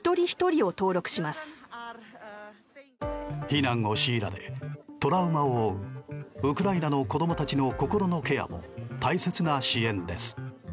避難を強いられトラウマを負うウクライナの子供たちの心のケアも大切な支援です。